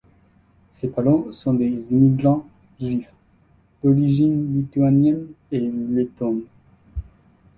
Ses parents sont des immigrants juifs, d’origine lituanienne et lettone.